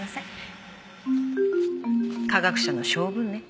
科学者の性分ね。